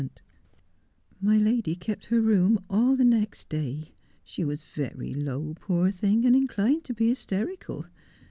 278 Just as I Am. ' My lady kept her room all the next day. She was very low, poor thing, and inclined to be hysterical.